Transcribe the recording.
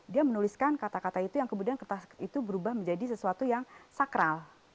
dia menuliskan kata kata itu yang kemudian kertas itu berubah menjadi sesuatu yang sakral